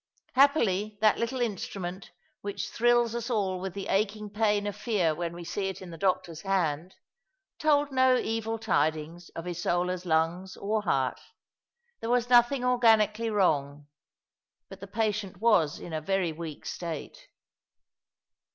Happily that little instrument which thrills US all with the aching pain of fear when we see it in the doctor's hand, told no evil tidings of Isola's lungs or heart. There was nothing organically wrong — but the patient was in a very weak state.